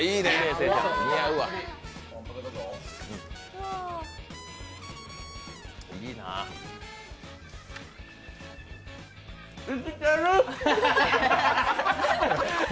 生きてる！